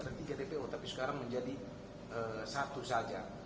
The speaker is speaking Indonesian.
ada tiga dpo tapi sekarang menjadi satu saja